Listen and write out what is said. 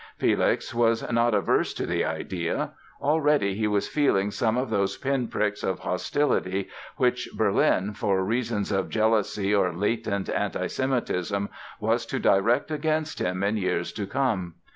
Felix was not averse to the idea. Already he was feeling some of those pin pricks of hostility which Berlin, for reasons of jealousy or latent anti Semitism was to direct against him in years to come.